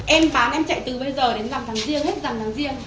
em bán em chạy từ bây giờ đến làm thằng riêng hết làm thằng riêng